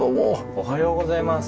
おはようございます。